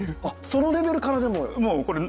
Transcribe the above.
あっそのレベルからでもう。